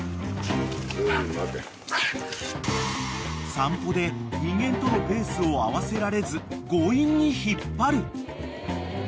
［散歩で人間とのペースを合わせられず強引に引っ張る］